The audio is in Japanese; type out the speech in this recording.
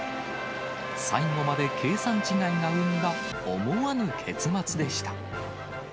最後まで計算違いが生んだ思わぬ結末でした。